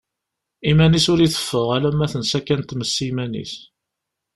Iman-is ur iteffeɣ, alamma tensa kan tmes iman-is.